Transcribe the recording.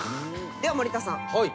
では森田さん問題